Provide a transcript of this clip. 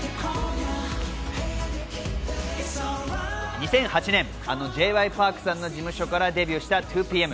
２００８年、あのＪ．Ｙ．Ｐａｒｋさんの事務所からデビューした２ＰＭ。